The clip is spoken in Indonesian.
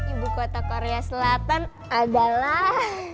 ibu kota korea selatan adalah